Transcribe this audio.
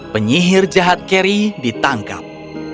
penyihir jahat carrie ditangkap